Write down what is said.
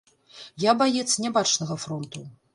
Я баец нябачнага фронту.